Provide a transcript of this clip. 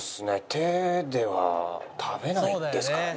手では食べないですからね。